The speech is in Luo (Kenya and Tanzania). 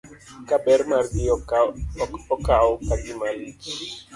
Ka ber margi ok okaw ka gima lich.